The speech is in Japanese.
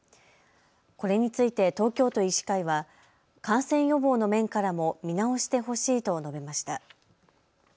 これについて東京都医師会は感染予防の面からも見直してほしいと述べました。